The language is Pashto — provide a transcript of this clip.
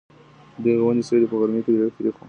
د دغې وني سیوری په غرمې کي ډېر یخ وي.